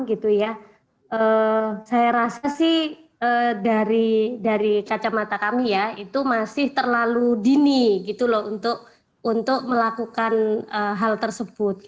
saya rasa dari kacamata kami itu masih terlalu dini untuk melakukan hal tersebut